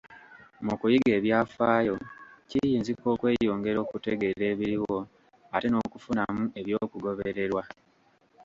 Mu kuyiga ebyafaayo kiyinzika okweyongera okutegeera ebiriwo, ate n'okufunamu eby'okugobererwa.